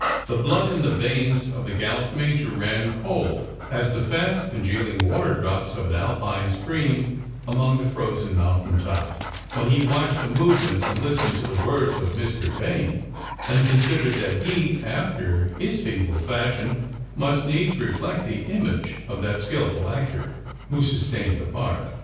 The blood in the veins of the gallant Major ran cold, as the fast congealing water drops of an Alpine stream among the frozen mountain tops, when he watched the movements and listened to the words of Mr. Vane, and considered that he, after his feeble fashion, must needs reflect the image of that skilful actor who sustained the part.